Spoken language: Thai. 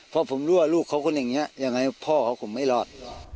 พ่อผมลั่วลูกเขาคนเองนี้อย่างไงว่าพ่อของผมมันไม่รอด